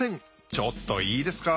ちょっといいですか？